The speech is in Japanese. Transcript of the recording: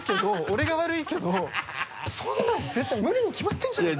俺が悪いけどそんなの絶対無理に決まってるじゃん！